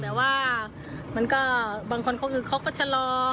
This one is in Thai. แต่ว่าบางคนเขาก็ชะลอ